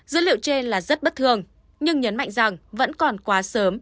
dữ liệu trên là rất bất thường nhưng nhấn mạnh rằng vẫn còn quá sớm